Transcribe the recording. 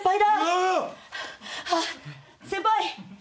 先輩！